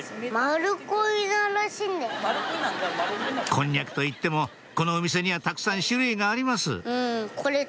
こんにゃくといってもこのお店にはたくさん種類があります